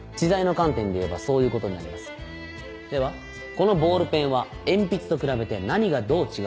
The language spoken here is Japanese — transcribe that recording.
このボールペンは鉛筆と比べて何がどう違うのか。